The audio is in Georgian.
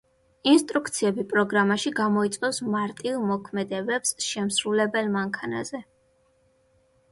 ინსტრუქციები პროგრამაში გამოიწვევს მარტივ მოქმედებებს შემსრულებელ მანქანაზე.